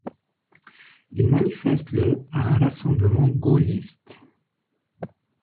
Il manifeste le à un rassemblement gaulliste.